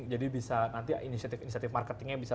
jadi bisa nanti inisiatif inisiatif marketingnya bisa